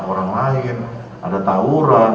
orang lain ada tawuran